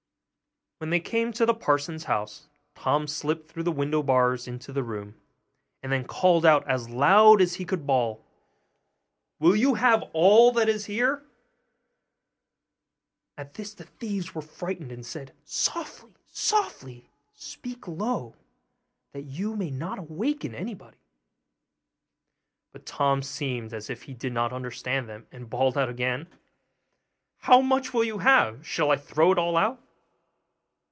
When they came to the parson's house, Tom slipped through the window bars into the room, and then called out as loud as he could bawl, 'Will you have all that is here?' At this the thieves were frightened, and said, 'Softly, softly! Speak low, that you may not awaken anybody.' But Tom seemed as if he did not understand them, and bawled out again, 'How much will you have? Shall I throw it all out?